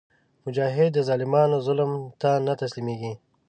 مجاهد د ظالمانو ظلم ته نه تسلیمیږي.